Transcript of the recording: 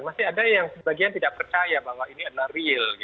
masih ada yang sebagian tidak percaya bahwa ini adalah real